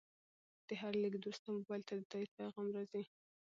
د هر لیږد وروسته موبایل ته د تایید پیغام راځي.